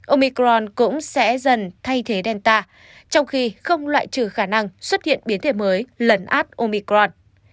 omicron cũng sẽ dần thay thế delta trong khi không loại trừ khả năng xuất hiện biến thể mới lần át omicron